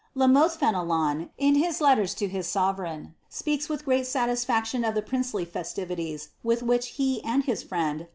1m Mothe Fenelon, in hb letters to his sovereign, speaks with great MUaetion of the princely festivities with which he and his friend.